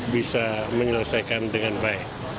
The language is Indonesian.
bisa menyelesaikan dengan baik